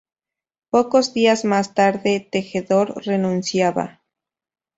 Pocos días más tarde, Tejedor renunciaba.